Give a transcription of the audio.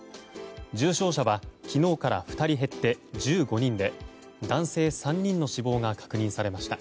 重症者は昨日から２人減って１５人で男性３人の死亡が確認されました。